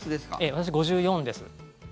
私、５４です。